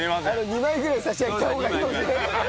２枚ぐらい差し上げた方がいいかもね。